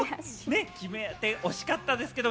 決めてほしかったですけどね。